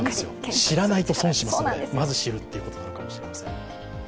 知らないと損しますので、まず知るということかもしれません。